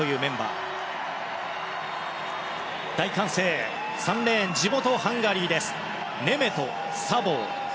大歓声３レーン、地元ハンガリーです。